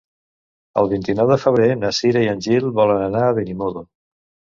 El vint-i-nou de febrer na Cira i en Gil volen anar a Benimodo.